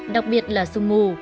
đặc biệt là sương mù